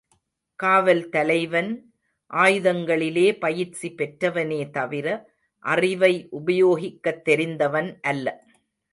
காவல் தலைவன், ஆயுதங்களிலே பயிற்சி பெற்றவனே தவிர, அறிவை உபயோகிக்கத் தெரிந்தவன் அல்ல.